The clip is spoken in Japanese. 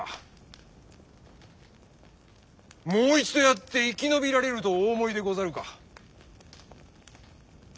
もう一度やって生き延びられるとお思いでござるか？